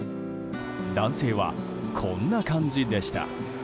男性は、こんな感じでした。